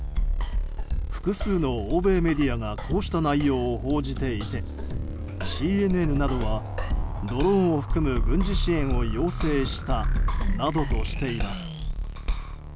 複数の欧米メディアがこうした内容を報じていてＣＮＮなどはドローンを含む軍事支援を要請したなどとしています。